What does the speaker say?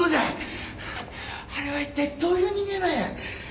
あれは一体どういう人間なんや。